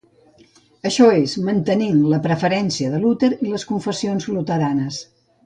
Això és mantenint la preferència de Luter i les confessions luteranes.